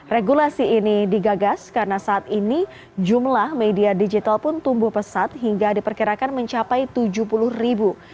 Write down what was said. regulasi ini digagas karena saat ini jumlah media digital pun tumbuh pesat hingga diperkirakan mencapai tujuh puluh ribu